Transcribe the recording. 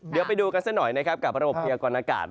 เดี๋ยวไปดูกันซักหน่อยกับระบบเทียร์ก่อนอากาศ